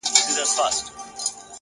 قوي اراده ستړې لارې اسانه کوي.!